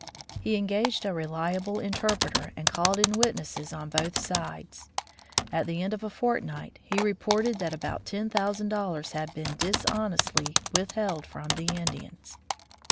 He engaged a reliable interpreter, and called in witnesses on both sides. At the end of a fortnight, he reported that about ten thousand dollars had been dishonestly withheld from the Indians.